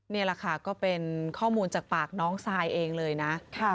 นี่แหละค่ะก็เป็นข้อมูลจากปากน้องซายเองเลยนะ